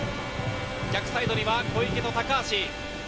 逆サイドには小池と高足。